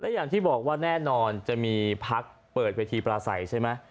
อย่างที่บอกว่าแน่นอนจะมีพักเปิดเวทีปลาใสใช่ไหม